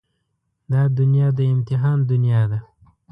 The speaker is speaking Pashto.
دا دنيا د امتحان دنيا ده.